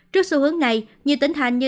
trước xu hướng này nhiều tỉnh thành như